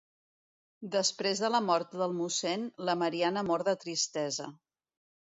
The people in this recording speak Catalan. Després de la mort del mossèn, la Mariana mor de tristesa.